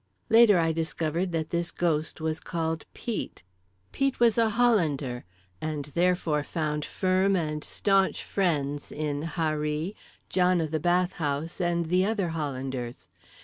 Later I discovered that this ghost was called Pete. Pete was a Hollander, and therefore found firm and staunch friends in Harree, John o' the Bathhouse and the other Hollanders.